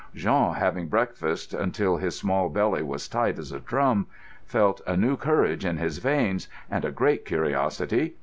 Jean, having breakfasted until his small belly was tight as a drum, felt a new courage in his veins, and a great curiosity.